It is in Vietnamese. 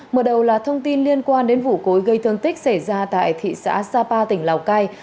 mở đầu là thông tin liên quan đến vụ cối gây thương tích xảy ra tại thị xã sapa tỉnh lào cai